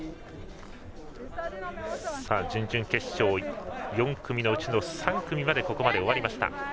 準々決勝、４組のうちの３組まで終わりました。